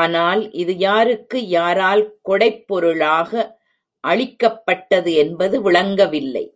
ஆனால் இது யாருக்கு யாரால் கொடைப் பொருளாக அளிக்கப்பட்டது என்பது விளங்கவில்லை.